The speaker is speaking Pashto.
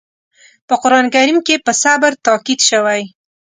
په قرآن کریم کې په صبر تاکيد شوی دی.